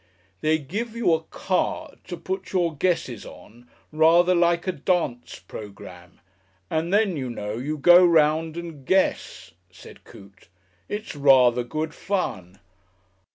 "They give you a card to put your guesses on, rather like a dance programme, and then, you know, you go around and guess," said Coote. "It's rather good fun."